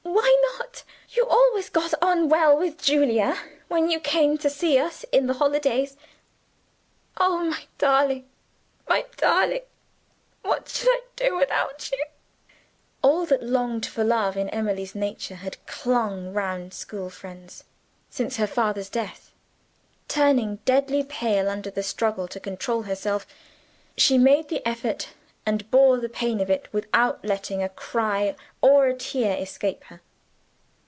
Why not? You always got on well with Julia, when you came to see us in the holidays. Oh, my darling! my darling! What shall I do without you?" All that longed for love in Emily's nature had clung round her school friend since her father's death. Turning deadly pale under the struggle to control herself, she made the effort and bore the pain of it without letting a cry or a tear escape her.